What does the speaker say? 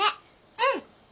うん。